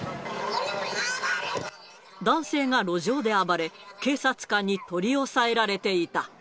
男性が路上で暴れ、警察官に取り押さえられていた。